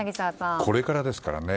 これからですからね。